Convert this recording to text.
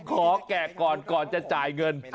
แกะก่อนก่อนจะจ่ายเงิน